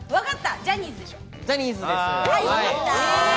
ジャニーズでしょ？